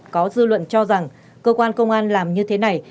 có dư luận cho rằng cơ quan công an làm như thế này